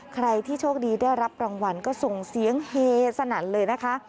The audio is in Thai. ใครที่โชคดีได้รับรางวัลก็ส่งเสียงเฮสนั่นเลยนะคะ